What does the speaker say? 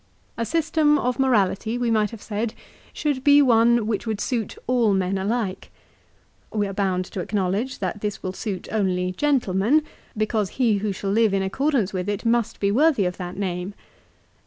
A system of morality, we might have said, should be one which would suit all men alike. We are bound to acknowledge that this will suit only gentlemen, because he who shall live in accordance with it must be worthy of that name.